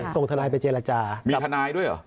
ส่งทนายไปเจรจามีทนายด้วยเหรอ